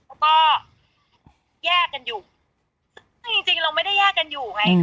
แล้วก็แยกกันอยู่ซึ่งจริงจริงเราไม่ได้แยกกันอยู่ไง